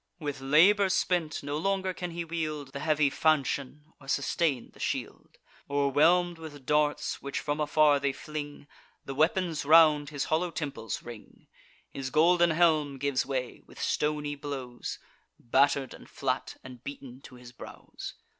With labour spent, no longer can he wield The heavy falchion, or sustain the shield, O'erwhelm'd with darts, which from afar they fling: The weapons round his hollow temples ring; His golden helm gives way, with stony blows Batter'd, and flat, and beaten to his brows.